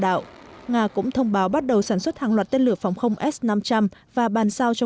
đạo nga cũng thông báo bắt đầu sản xuất hàng loạt tên lửa phòng không s năm trăm linh và bàn sao cho